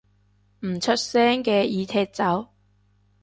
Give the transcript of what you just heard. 唔出聲嘅已踢走